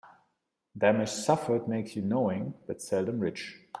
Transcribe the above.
Damage suffered makes you knowing, but seldom rich.